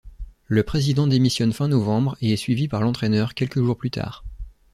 Le président démissionne fin novembre et est suivi par l’entraîneur quelques jours plus tard.